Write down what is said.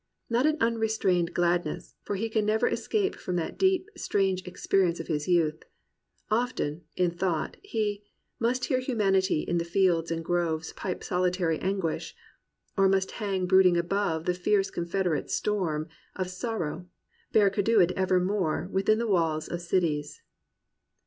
Not an unrestrained glad ness, for he can never escape from that deep, strange experience of his youth. Often, in thought, he Must hear Humanity in fields and groves Pipe solitary anguish; or must hang Brooding above the fierce confederate storm Of sorrow, barricadoed evermore Within the walls of cities."